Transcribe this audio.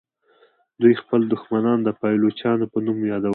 دوی خپل دښمنان د پایلوچانو په نوم یادول.